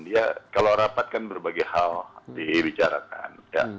ya kalau rapat kan berbagai hal dibicarakan